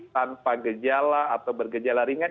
tanpa gejala atau bergejala ringan